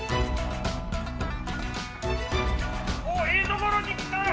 おっええところに来た！